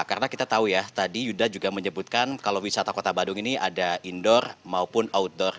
karena kita tahu ya tadi yuda juga menyebutkan kalau wisata kota bandung ini ada indoor maupun outdoor